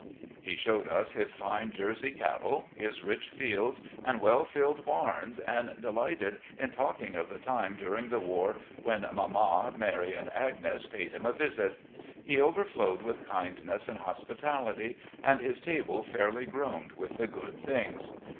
He showed us his fine Jersey cattle, his rich fields and well filled bams, and delighted in talking of the time during the war when mama, Mary, and Agnes paid him a visit. He over flowed with kindness and hospitality, and his table fairly groaned with the good things.